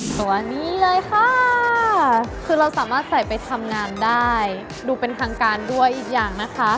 ตัวนี้เลยค่ะคือเราสามารถใส่ไปทำงานได้ดูเป็นทางการด้วยอีกอย่างนะคะ